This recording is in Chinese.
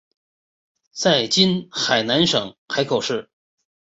在今海南省海口市。